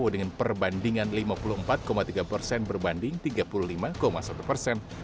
dengan perbandingan lima puluh empat tiga persen berbanding tiga puluh lima satu persen